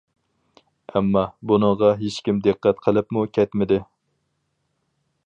ئەمما بۇنىڭغا ھېچكىم دىققەت قىلىپمۇ كەتمىدى.